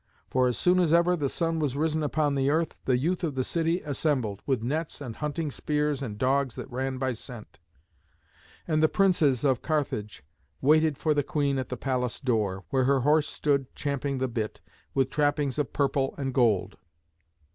For as soon as ever the sun was risen upon the earth, the youth of the city assembled, with nets and hunting spears and dogs that ran by scent. And the princes of Carthage waited for the queen at the palace door, where her horse stood champing the bit, with trappings of purple and gold.